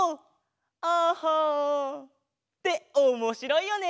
「ＡＨＨＡ」っておもしろいよね！